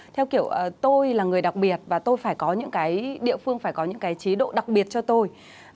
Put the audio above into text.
theo kiểu tôi là người đặc biệt và tôi phải có những cái địa phương phải có những cái chế độ đặc biệt cho tôi